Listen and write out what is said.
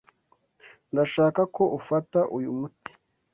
Ndashaka ko ufata uyu muti.